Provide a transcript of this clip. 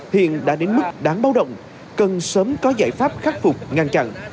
hiện đã đến mức đáng báo động cần sớm có giải pháp khắc phục ngăn chặn